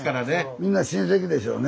みんな親戚でしょうね。